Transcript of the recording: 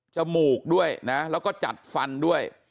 มูกด้วยนะแล้วก็จัดฟันด้วย